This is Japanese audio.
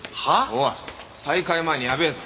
おい大会前にやべえぞ。